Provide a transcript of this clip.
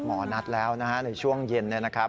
หมอนัดแล้วนะฮะในช่วงเย็นเนี่ยนะครับ